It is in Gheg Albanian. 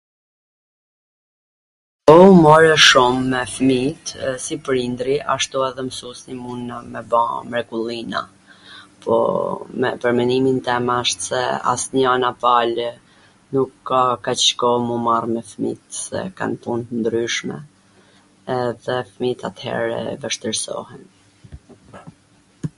O marrja shum me fmijt, si prindri ashtu edhe msusi, mundna me ba mrekullina, po, me, pwr menimin tem asht se asnjana palw nuk ka kaq koh m u marr me fmijt se kan pun t ndryshme edhe fmijt at-here vwshtirsohen.